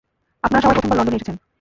আপনারা সবাই প্রথমবার লন্ডনে এসেছেন।